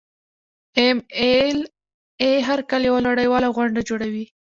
ایم ایل اې هر کال یوه لویه نړیواله غونډه جوړوي.